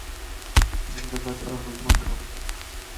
احمده! بد اروايي مه کوه.